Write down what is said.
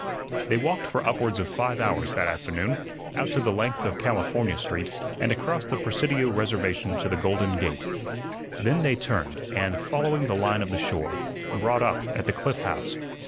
They walked for upwards of five hours that afternoon, out the length of California Street, and across the Presidio Reservation to the Golden Gate. Then they turned, and, following the line of the shore, brought up at the Cliff House.